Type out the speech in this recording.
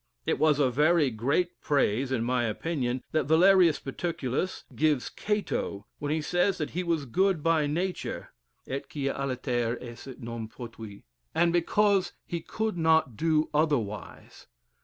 It was a very great praise, in my opinion, that Vellerius Paterculus gives Cato, where he says that he was good by nature, 'et quia aliter esse non potuit.'' 'And because he could not do otherwise.'"